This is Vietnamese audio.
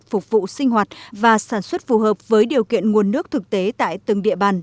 phục vụ sinh hoạt và sản xuất phù hợp với điều kiện nguồn nước thực tế tại từng địa bàn